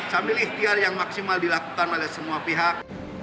sambil ikhtiar yang maksimal dilakukan oleh semua pihak